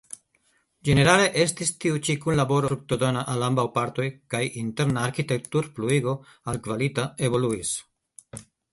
Ĝenerale estis tiu ĉi kunlaboro fruktodona al ambaŭ partoj kaj interna arĥitekturpluigo altkvalita evoluis.